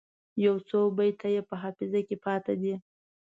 یو څو بیته یې په حافظه کې پاته دي.